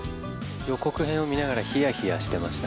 予告編を見ながら、ひやひやしてました。